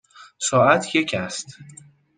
ساعت یک است.